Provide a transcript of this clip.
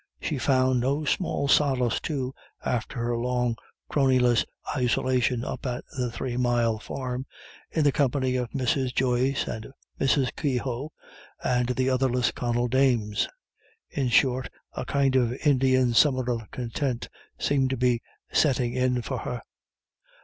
She found no small solace, too, after her long cronyless isolation up at the Three Mile Farm, in the company of Mrs. Joyce, and Mrs. Keogh, and the other Lisconnel dames. In short, a kind of Indian summer of content seemed to be setting in for her.